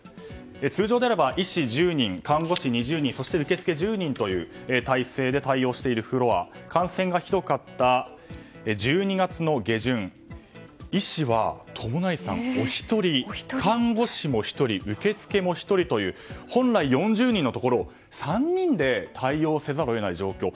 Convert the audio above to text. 通常であれば医師１０人看護師２０人受付１０人という対応しているフロア感染がひどかった１２月下旬医師は、友成さんお一人看護師も１人、受付も１人という本来４０人のところを３人で対応せざるを得ない状況。